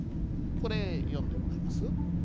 これ読んでもらえます？